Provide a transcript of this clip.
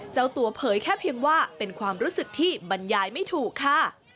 เจ้าตัวเผยแค่เพียงว่าเป็นความรู้สึกที่บรรยายไม่ถูกค่ะ